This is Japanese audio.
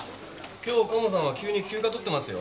今日鴨さんは急に休暇とってますよ。